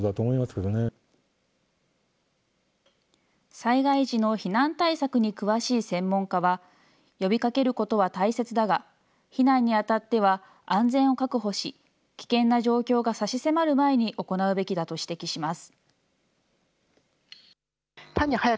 災害時の避難対策に詳しい専門家は、呼びかけることは大切だが、避難にあたっては、安全を確保し、危険な状況が差し迫る前に行うべきだと指摘します。